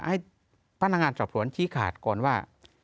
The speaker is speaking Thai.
ให้พนักงานสอบสวนชี้ขาดก่อนว่า